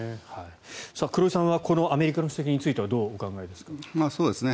黒井さんはこのアメリカの指摘についてはどうお考えですか？